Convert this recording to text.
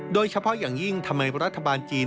โดยเฉพาะอย่างยิ่งทำไมรัฐบาลจีน